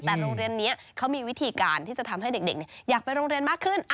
แต่โรงเรียนนี้เขามีวิธีการที่จะทำให้เด็กอยากไปโรงเรียนมากขึ้น